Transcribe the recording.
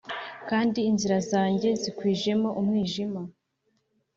kandi inzira zanjye yazikwijemo umwijima